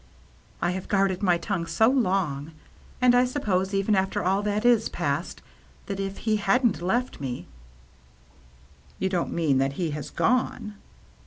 I have guarded my tongue so long. And I suppose, even after all that is past, that if he hadn't left me —" You don't mean that he has gone